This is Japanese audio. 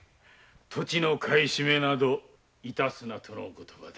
土地の買い占めなど致すなとのお言葉であった。